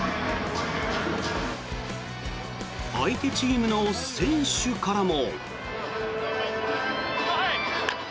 相手チームの選手からも。